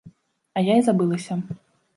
А я і забылася.